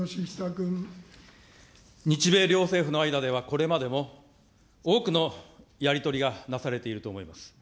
日米両政府の間ではこれまでも、多くのやり取りがなされていると思います。